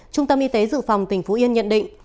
trung tâm y tế dự phòng tỉnh phú yên nhận định